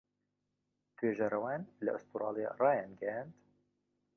توێژەرەوان لە ئوسترالیا ڕایانگەیاند